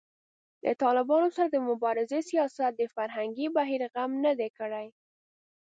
د طالبانو سره د مبارزې سیاست د فرهنګي بهیر غم نه دی کړی